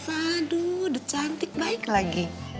aduh udah cantik baik lagi